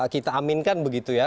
kita aminkan begitu ya